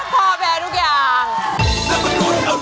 พอแบบทุกอย่าง